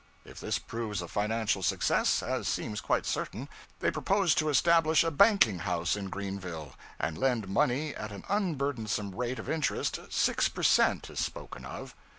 If this proves a financial success, as seems quite certain, they propose to establish a banking house in Greenville, and lend money at an unburdensome rate of interest 6 per cent. is spoken of.